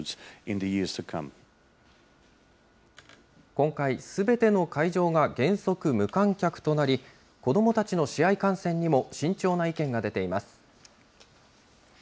今回、すべての会場が原則、無観客となり、子どもたちの試合観戦にも慎重な意見が出ています。